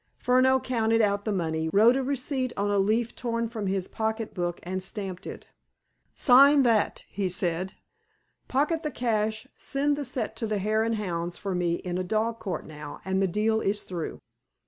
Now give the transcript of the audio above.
Furneaux counted out the money, wrote a receipt on a leaf torn from his pocket book, and stamped it. "Sign that," he said, "pocket the cash, send the set to the Hare and Hounds for me in a dog cart now, and the deal is through."